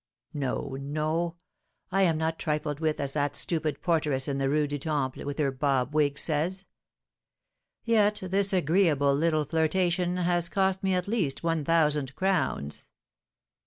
No, no! I am not trifled with as that stupid porteress in the Rue du Temple, with her bob wig, says. Yet this agreeable little flirtation has cost me at least one thousand crowns.